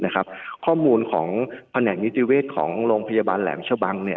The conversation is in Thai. ข้อมูลของแผนกนิติเวศของโรงพยาบาลแหลมชะบัง